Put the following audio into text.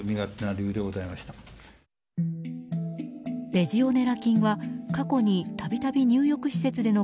レジオネラ菌は過去に度々、入浴施設での